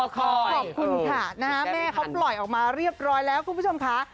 ขอบคุณค่ะแม่เขาปล่อยออกมาเรียบร้อยแล้วคุณผู้ชมค่ะ